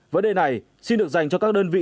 vấn đề này xin được dành cho các đơn vị